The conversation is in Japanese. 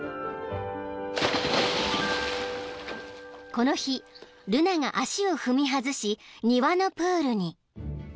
［この日ルナが足を踏み外し庭のプールに］